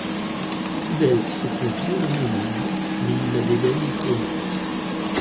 Cybèle s’éprend violemment de lui, mais il la dédaigne pour une autre.